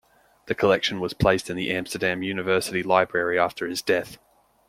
The collection was placed in the Amsterdam University Library after his death.